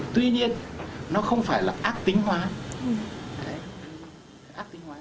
tuy nhiên nó không phải là ác tính hóa